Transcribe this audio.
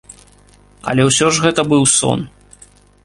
Але ўсё ж гэта быў сон.